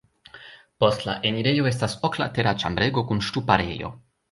Post la enirejo estas oklatera ĉambrego kun ŝtuparejo.